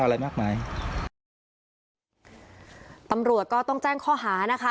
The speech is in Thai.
ตำรวจก็ต้องแจ้งข้อหานะคะ